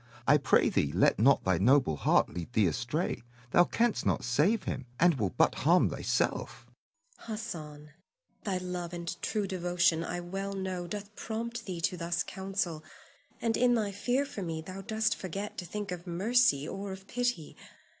I pray thee let not thy noble heart lead thee astray. Thou canst not save him, and will but harm thyself. Zuleika. Hassan, thy love and true devotion, I well know, doth prompt thee to thus counsel, and in thy fear for me thou dost forget to think of mercy or of pity.